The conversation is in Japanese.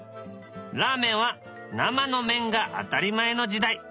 ラーメンは生の麺が当たり前の時代。